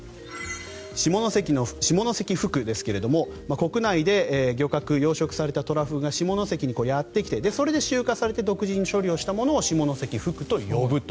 下関の下関ふくですが国内で漁獲・養殖されたトラフグが下関にやってきてそれで集荷されて独自の処理をしたものを下関ふくと呼ぶと。